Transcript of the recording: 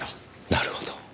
なるほど。